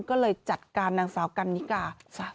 ก็เลยจัดการนางสาวกันนิกา